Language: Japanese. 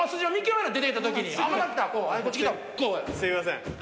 すいません。